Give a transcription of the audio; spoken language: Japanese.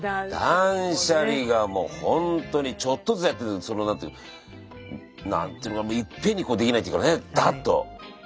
断捨離がもうほんとにちょっとずつやってるその何ていうの何ていうのかないっぺんにこうできないっていうかねダッと。